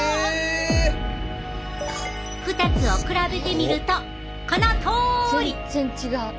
２つを比べてみるとこのとおり！全然違う。